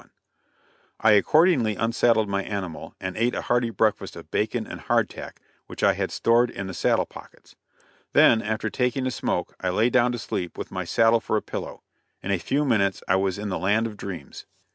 [Illustration: CLOSE QUARTERS] I accordingly unsaddled my animal, and ate a hearty breakfast of bacon and hard tack which I had stored in the saddle pockets; then, after taking a smoke, I lay down to sleep, with my saddle for a pillow. In a few minutes I was in the land of dreams.